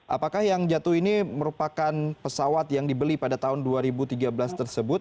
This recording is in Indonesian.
apakah yang jatuh ini merupakan pesawat yang dibeli pada tahun dua ribu tiga belas tersebut